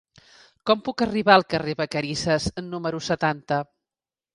Com puc arribar al carrer de Vacarisses número setanta?